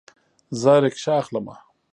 زه ریکشه اخلمه